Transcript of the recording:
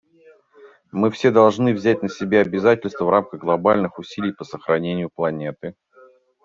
Мы все должны взять на себя обязательства в рамках глобальных усилий по сохранению планеты.